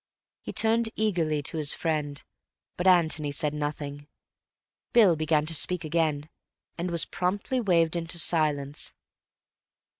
He turned eagerly to his friend, but Antony said nothing. Bill began to speak again, and was promptly waved into silence.